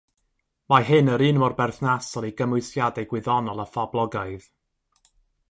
Mae hyn yr un mor berthnasol i gymwysiadau gwyddonol a phoblogaidd.